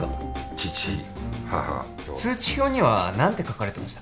父母通知表には何て書かれてました？